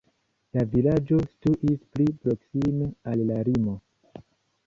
La vilaĝo situis pli proksime al la limo.